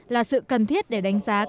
là sự cần thiết để đánh giá các kết quả